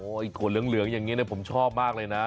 โอ๊ยก๋วเลืองอย่างนี้ผมชอบมากเลยนะ